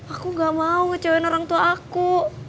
aku gak mau ngecewain orang tua aku